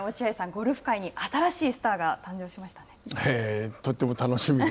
ゴルフ界に新しいスターが誕生しましたね。